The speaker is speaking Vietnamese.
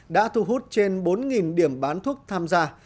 đã thu hút trên bốn điểm bán thuốc tham gia